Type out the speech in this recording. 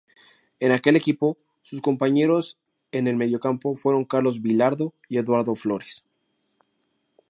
En aquel equipo, sus compañeros en el mediocampo fueron Carlos Bilardo y Eduardo Flores.